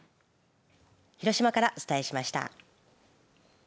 広島からお伝えしました。